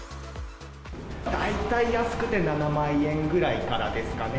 大体安くて７万円ぐらいからですかね。